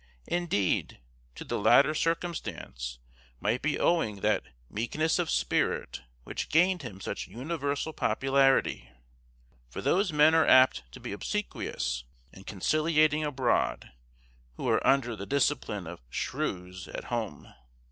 Indeed, to the latter circumstance might be owing that meekness of spirit which gained him such universal popularity; for those men are apt to be obsequious and conciliating abroad, who are under the discipline of shrews at home.